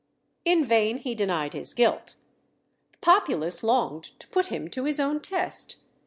In vain he denied his guilt. The populace longed to put him to his own test.